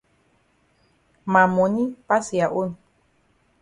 Ma moni pass ya own.